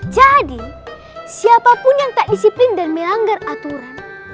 siapapun yang tak disiplin dan melanggar aturan